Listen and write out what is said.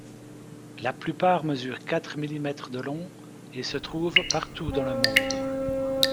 La plupart mesurent quatre millimètres de long et se trouvent partout dans le monde.